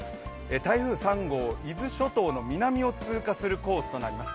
台風３号、伊豆諸島の南を通過するコースとなります。